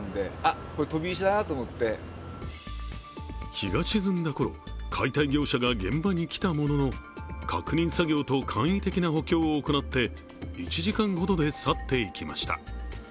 日が沈んだ頃、解体業者が現場に来たものの確認作業と簡易的な補強を行って１時間ほどで去っていきました。